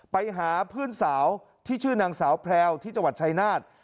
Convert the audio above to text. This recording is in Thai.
ไปหาเพื่อนสาวที่ชื่อนางสาวแพรวที่จังหวัดชายนาฏ